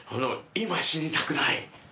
今死にたくない。